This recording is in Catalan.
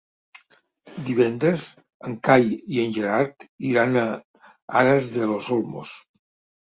Divendres en Cai i en Gerard iran a Aras de los Olmos.